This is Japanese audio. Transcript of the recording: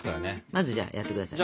まずじゃあやって下さい。